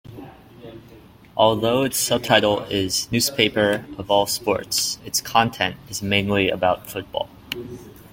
Although its subtitle is "newspaper of all sports", its content is mainly about football.